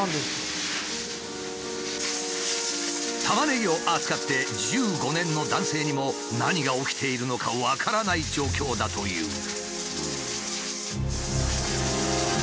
タマネギを扱って１５年の男性にも何が起きているのか分からない状況だという。